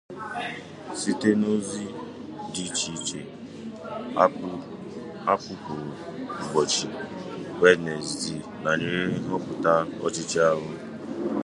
site n'ozi dị icheiche ha kụpụrụ ụbọchị Wenezdee banyere nhọpụta ọchịchị ahụ.